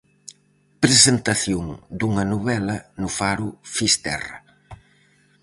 Presentación dunha novela no faro Fisterra.